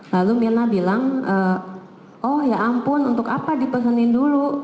lalu mirna bilang oh ya ampun untuk apa dipesenin dulu